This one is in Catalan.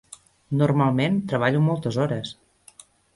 Normalment, treballo moltes hores.